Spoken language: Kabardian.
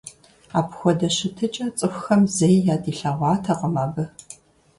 Апхуэдэ щытыкӀэ цӀыхухэм зэи ядилъэгъуатэкъым абы.